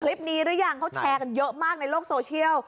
หรือยังเขาแชร์กันเยอะมากในโลกโซเชียล